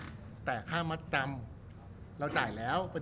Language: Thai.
รูปนั้นผมก็เป็นคนถ่ายเองเคลียร์กับเรา